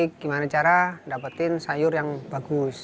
bagaimana cara mendapatkan sayur yang bagus